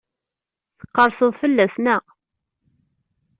Tqerrseḍ fell-as, naɣ?